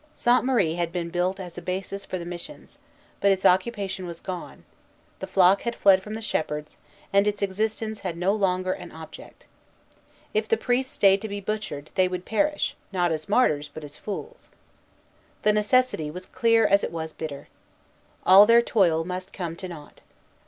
Sainte Marie had been built as a basis for the missions; but its occupation was gone: the flock had fled from the shepherds, and its existence had no longer an object. If the priests stayed to be butchered, they would perish, not as martyrs, but as fools. The necessity was as clear as it was bitter. All their toil must come to nought.